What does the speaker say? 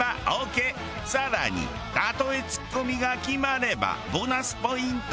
さらに例えツッコミが決まればボーナスポイント。